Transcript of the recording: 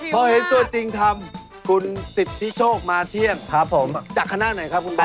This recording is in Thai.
พอเห็นตัวจริงทำคุณสิทธิโชคมาเที่ยงครับผมจากคณะไหนครับคุณป้า